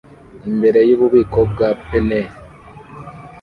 Imbere yububiko bwa Penney